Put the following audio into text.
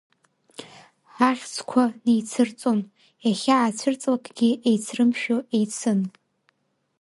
Ҳахьӡқәа неицырҵон, иахьаацәырҵлакгьы еицрымшәо еицын.